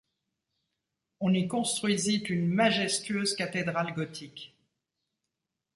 On y construisit une majestueuse cathédrale gothique.